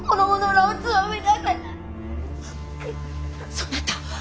そなた！